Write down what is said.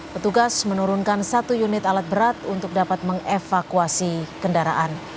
petugas menurunkan satu unit alat berat untuk dapat mengevakuasi kendaraan